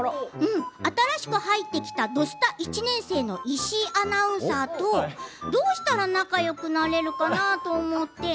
新しく入ってきた「土スタ」１年生の石井アナウンサーとどうしたら仲よくなれるかなと思って。